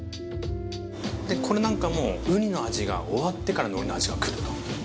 これなんかもうにの味が終わってから海苔の味がくると。